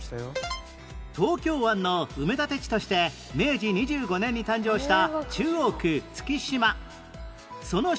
東京湾の埋め立て地として明治２５年に誕生した中央区月島